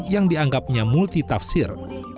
yang dianggapnya multitafsir